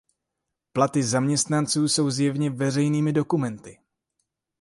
Platy zaměstnanců jsou zjevně veřejnými dokumenty.